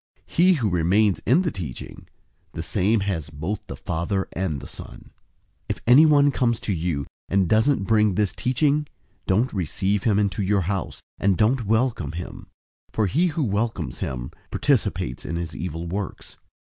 He who remains in the teaching, the same has both the Father and the Son. 001:010 If anyone comes to you, and doesn't bring this teaching, don't receive him into your house, and don't welcome him, 001:011 for he who welcomes him participates in his evil works.